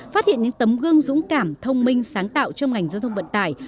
phát hiện những tấm gương dũng cảm thông minh sáng tạo trong ngành giao thông vận tải